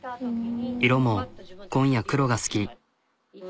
色も紺や黒が好き。